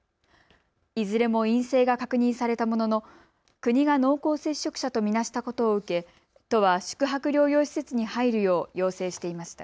いずれも陰性が確認されたものの国が濃厚接触者と見なしたことを受け、都は宿泊療養施設に入るよう要請していました。